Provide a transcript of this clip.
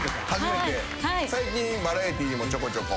最近バラエティーにもちょこちょこ。